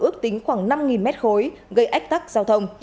ước tính khoảng năm mét khối gây ách tắc giao thông